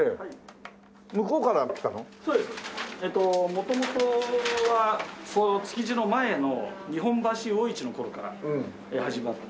元々は築地の前の日本橋魚市の頃から始まって。